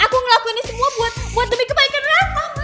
aku ngelakuin ini semua buat demi kebaikan reva mas